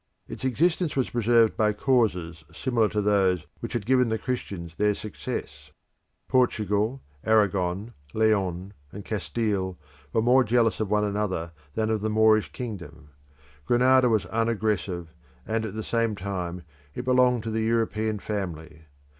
Its existence was preserved by causes similar to those which had given the Christians their success. Portugal, Arragon, Leon, and Castile were more jealous of one another than of the Moorish kingdom. Granada was unaggressive; and at the same time it belonged to the European family.